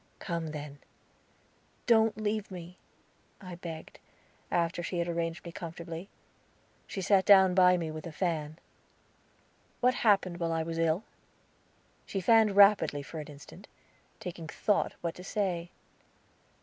"Come, then." "Don't leave me," I begged, after she had arranged me comfortably. She sat down by me with a fan. "What happened while I was ill?" She fanned rapidly for an instant, taking thought what to say.